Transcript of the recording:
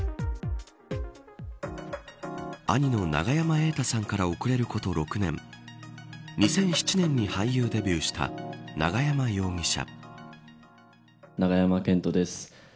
兄の永山瑛太さんから遅れること６年２００７年に俳優デビューした永山容疑者。